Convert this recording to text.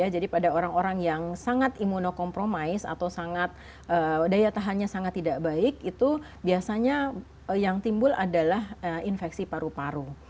jadi pada orang orang yang sangat imunokompromis atau sangat daya tahannya sangat tidak baik itu biasanya yang timbul adalah infeksi paru paru